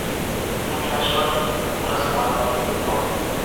Un flashback, "Una semana antes de Prom".